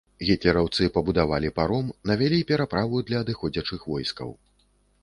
Гітлераўцы пабудавалі паром, навялі пераправу для адыходзячых войскаў.